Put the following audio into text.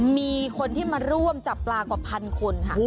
มีคนที่มาร่วมจับปลากว่าพันคนค่ะ